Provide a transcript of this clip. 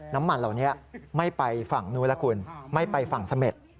น้ำมันเหล่านี้ไม่ไปฝั่งนู้นแล้วคุณไม่ไปฝั่งเสม็ด